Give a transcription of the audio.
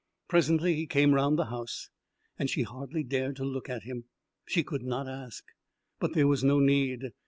Presently he came round the house, and she hardly dared to look at him; she could not ask. But there was no need.